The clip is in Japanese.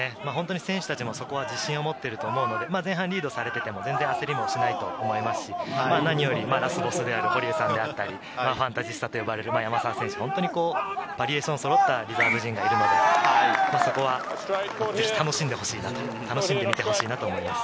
選手たちもそこに自信を持ってると思うので、前半リードされてても、焦りもしないと思いますし、ラスボスである堀江さんだったり、ファンタジスタと呼ばれる山沢選手、バリエーションそろったリザーブ陣がいるので、そこはぜひ楽しんでほしいなと思います。